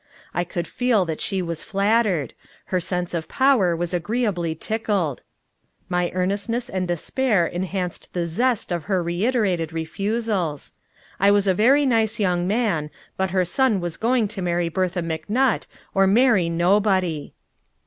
I could feel that she was flattered; her sense of power was agreeably tickled; my earnestness and despair enhanced the zest of her reiterated refusals. I was a very nice young man, but her son was going to marry Bertha McNutt or marry nobody!